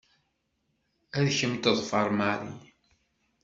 Ad kem-teḍfer Mary.